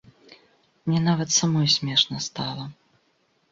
Мне нават самой смешна стала.